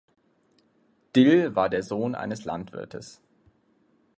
Dill war der Sohn eines Landwirtes.